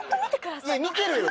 見てるよ！